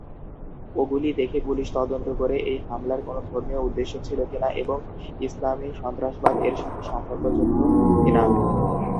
এগুলি দেখে পুলিশ তদন্ত করে এই হামলার কোন ধর্মীয় উদ্দেশ্য ছিল কিনা এবং ইসলামি সন্ত্রাসবাদ এর সাথে সম্পর্কযুক্ত কিনা।